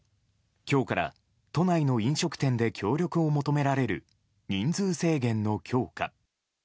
今日から都内の飲食店で協力を求められる人数制限の強化。